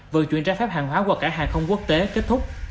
vận chuyển trái phép hàng hóa qua cảng hàng không quốc tế kết thúc